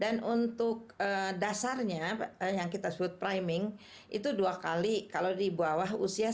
dan untuk dasarnya yang kita sebut priming itu dua kali kalau di bawah usia sembilan tahun